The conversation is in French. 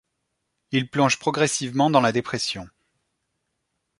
Il plonge progressivement dans la dépression.